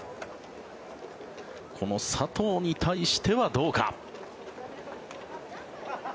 この佐藤に対してはどうか。